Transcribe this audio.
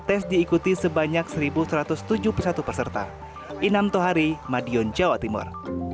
tes diikuti sebanyak satu satu ratus tujuh puluh satu peserta inam tohari madiun jawa timur